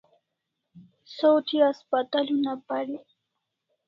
Saw thi haspatal una parik